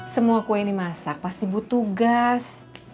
semua kue yang dimasak pasti butuh gas